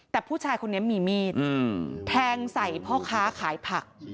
แต่ผู้ชายคนนั้นมีเมียงแถงใส่เป็นผ้าขาขายผัก